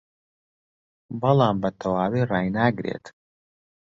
بەڵام بەتەواوی ڕایناگرێت